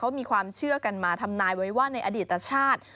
เขามีความเชื่อกันมาทำนายไว้ว่าในอดีตชาติ